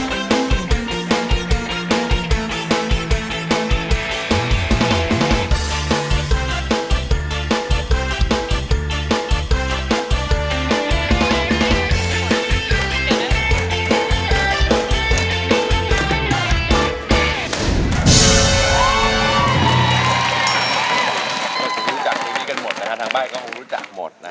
ผมรู้จักทีนี้กันหมดนะคะทางบ้านผมรู้จักหมดนะครับ